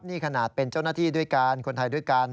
นี่ขนาดเป็นเจ้าหน้าที่ด้วยกันคนไทยด้วยกัน